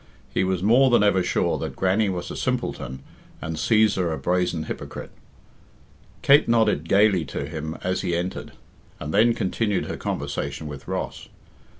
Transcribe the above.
He was more than ever sure that Grannie was a simpleton and Cæsar a brazen hypocrite. Kate nodded gaily to him as he entered, and then continued her conversation with Ross.